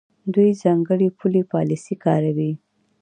دوی ځانګړې پولي پالیسۍ کاروي.